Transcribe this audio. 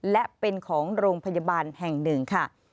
และเป็นของโรงพยาบาลแห่งหนึ่งค่ะ